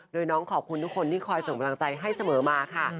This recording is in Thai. โดยน้องขอบคุณทุกคนที่คอยส่งกำลังใจให้เสมอมาค่ะ